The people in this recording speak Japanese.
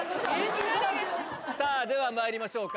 さあ、ではまいりましょうか。